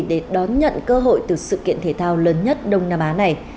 để đón nhận cơ hội từ sự kiện thể thao lớn nhất đông nam á này